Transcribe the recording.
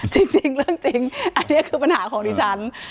จริงเรื่องจริงอันนี้คือปัญหาของดิฉัน